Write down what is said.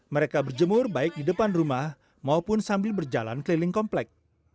mereka berjemur baik di depan rumah maupun sambil berjalan keliling komplek